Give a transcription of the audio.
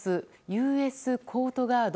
ＵＳコートガード